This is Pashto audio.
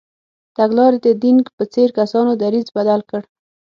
تګلارې د دینګ په څېر کسانو دریځ بدل کړ.